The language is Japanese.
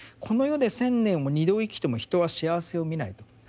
「この世で千年を二度生きても人は幸せを見ない」と。